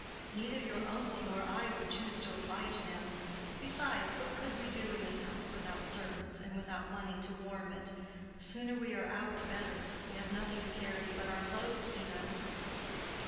Neither your uncle nor I would choose to apply to him. Besides, what could we do in this house without servants, and without money to warm it? The sooner we are out the better. We have nothing to carry but our clothes, you know?"